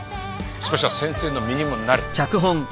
少しは先生の身にもなれ。